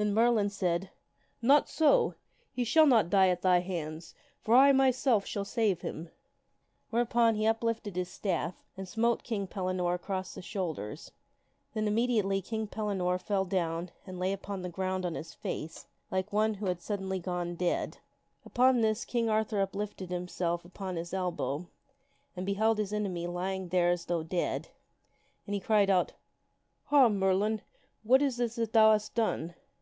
Then Merlin said, " Not so! He shall not die at thy hands, for I, my self, shall save him." Whereupon he uplifted his staff and MerKn ^ a smote King Pellinore across the shoulders. Then immediately spell upon King King Pellinore fell down and lay upon the ground on his face like one who had suddenly gone dead. Upon this, King Arthur uplifted himself upon his elbow and beheld his enemy lying there as though dead, and he cried out, " Ha ! Merlin ! what is this that thou hast done?